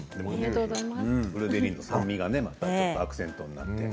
ブルーベリーの酸味がアクセントになって。